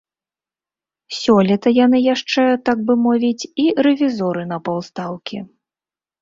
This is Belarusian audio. Сёлета яны яшчэ, так бы мовіць, і рэвізоры на паўстаўкі.